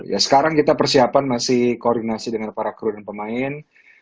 ya sekarang kita persiapan masih koordinasi dengan para kru dan pemain